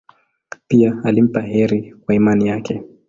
Pia alimpa heri kwa imani yake.